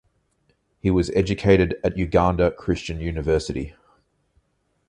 He was educated at Uganda Christian University.